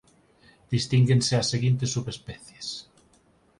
Distínguense as seguintes subespecies